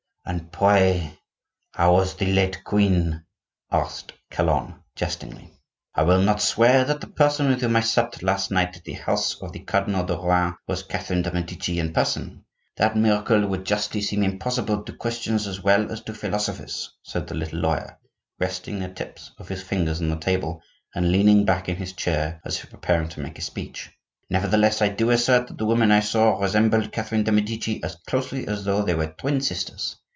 "And pray, how was the late queen?" asked Calonne, jestingly. "I will not swear that the person with whom I supped last night at the house of the Cardinal de Rohan was Catherine de' Medici in person. That miracle would justly seem impossible to Christians as well as to philosophers," said the little lawyer, resting the tips of his fingers on the table, and leaning back in his chair as if preparing to make a speech. "Nevertheless, I do assert that the woman I saw resembled Catherine de' Medici as closely as though they were twin sisters.